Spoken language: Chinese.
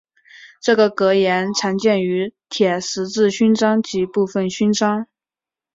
这个格言常见于铁十字勋章及部分勋章。